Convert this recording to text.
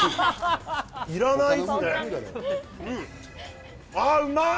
いらない！